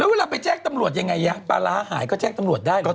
แล้วเวลาไปแจ้งตำรวจยังไงปลาร้าหายก็แจ้งตำรวจได้หรือเปล่า